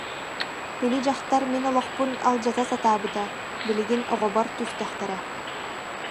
Били дьахтар мин олохпун алдьата сатаабыта, билигин оҕобор түстэхтэрэ